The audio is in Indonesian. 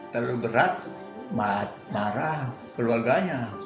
terlalu berat marah keluarganya